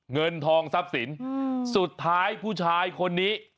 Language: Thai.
เงินทองทรัพย์สินสุดท้ายผู้ชายคนนี้